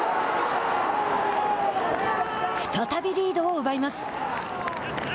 再びリードを奪います。